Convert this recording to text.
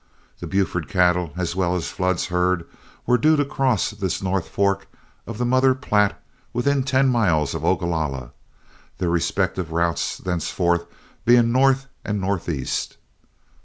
The Buford cattle, as well as Flood's herd, were due to cross this North Fork of the mother Platte within ten miles of Ogalalla, their respective routes thenceforth being north and northeast.